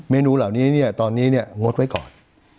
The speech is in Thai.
เมนูเหล่านี้เนี่ยตอนนี้เนี่ยงดไว้ก่อน